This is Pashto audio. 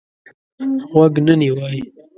غوږ نه نیوی.